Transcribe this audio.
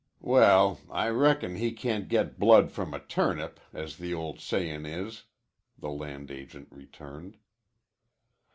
"Well, I reckon he can't get blood from a turnip, as the old sayin' is," the land agent returned.